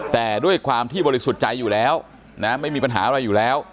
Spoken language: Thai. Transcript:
แต่ด้วยความที่บริสุทธิ์ใจอยู่แล้วไม่มีปัญหาอะไรอยู่แล้ว